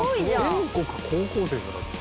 「全国高校生」だよだって。